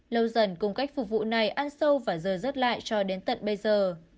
lâu dần cung cách phục vụ này ăn sâu và rời rớt lại cho đến tận bây giờ